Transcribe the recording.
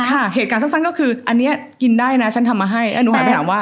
เหตุการณ์สั้นก็คืออันนี้กินได้นะฉันทำมาให้หนูหันไปถามว่า